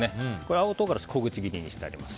青唐辛子は小口切りにしてあります。